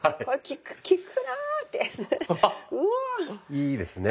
いいですね。